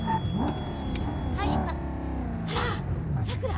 ☎はいあらさくら！